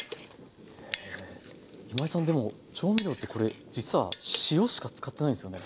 今井さんでも調味料ってこれ実は塩しか使ってないんですよね？